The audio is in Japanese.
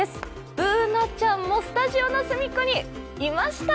Ｂｏｏｎａちゃんもスタジオのすみっコにいました。